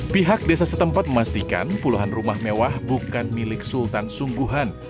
pihak desa setempat memastikan puluhan rumah mewah bukan milik sultan sungguhan